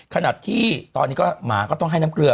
ขณะที่ตอนนี้ก็หมาก็ต้องให้น้ำเกลือ